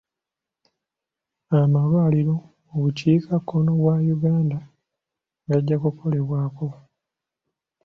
Amalwaliro mu bukiikakkono bwa Uganda gajja kukolebwako.